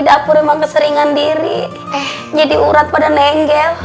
dapur emang keseringan diri jadi urat pada nengel